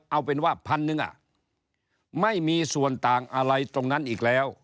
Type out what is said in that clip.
เอาเป็นว่าพันหนึ่งไม่มีส่วนต่างอะไรตรงนั้นอีกแล้ว